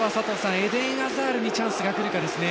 エデン・アザールにチャンスがくるかですね。